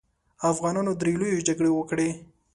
افغانانو درې لويې جګړې وکړې.